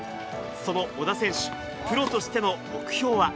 その小田選手、プロとしての目標は。